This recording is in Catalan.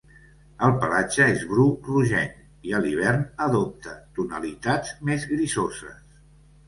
El pelatge és bru rogenc i a l'hivern adopta tonalitats més grisoses.